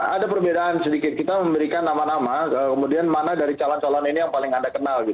ada perbedaan sedikit kita memberikan nama nama kemudian mana dari calon calon ini yang paling anda kenal